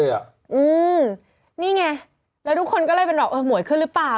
อืมนี่ไงแล้วทุกคนก็เลยเป็นแบบเออหมวยขึ้นหรือเปล่า